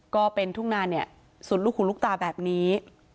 ก็เป็นทุ่งนาเนี่ยสุดลูกหูลูกตาแบบนี้